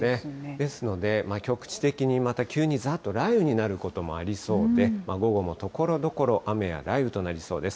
ですので、局地的にまた急にざーっと雷雨になることもありそうで、午後もところどころ雨や雷雨となりそうです。